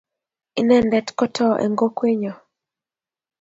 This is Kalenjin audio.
inendet ko too eng' kokwenyo